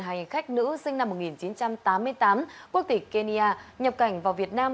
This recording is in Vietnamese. hành khách nữ sinh năm một nghìn chín trăm tám mươi tám quốc tịch kenya nhập cảnh vào việt nam